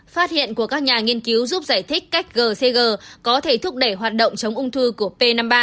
phát hiện của các nhà nghiên cứu giúp giải thích cách gcg có thể thúc đẩy hoạt động chống ung thư của p năm mươi ba